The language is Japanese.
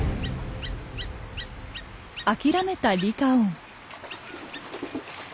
諦めたリカオン。